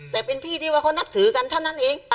แต่เป็นพี่ที่ว่าเขานับถือกันเท่านั้นเอง